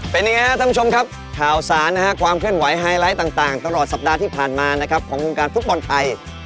เป็นยังไงครับท่านผู้ชมครับข่าวสารนะฮะความเคลื่อนไฮไลท์ต่างตลอดสัปดาห์ที่ผ่านมานะครับของวงการฟุตบอลไทย